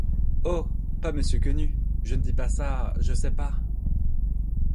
Oh! pas monsieur Quenu, je ne dis pas ça, je ne sais pas...